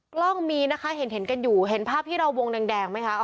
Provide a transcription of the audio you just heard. กล้องมีนะคะเห็นกันอยู่เห็นภาพที่เราวงแดงไหมคะ